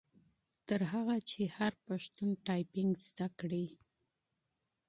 تر هغه چي هر پښتون ټایپنګ زده کړي.